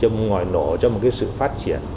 một cái sự phát triển